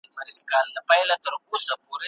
انلاين زده کړه د شخصي سرعت ملاتړ کوي.